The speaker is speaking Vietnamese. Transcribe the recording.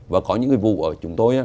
và có những vụ của chúng tôi